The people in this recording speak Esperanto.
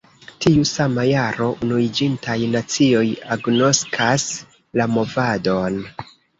Tiu sama jaro, Unuiĝintaj Nacioj agnoskas la movadon.